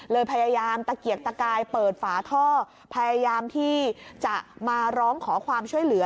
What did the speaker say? พยายามตะเกียกตะกายเปิดฝาท่อพยายามที่จะมาร้องขอความช่วยเหลือ